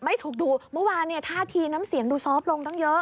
ไม่ถูกดูเมื่อวานเนี่ยท่าทีน้ำเสียงดูซอฟต์ลงตั้งเยอะ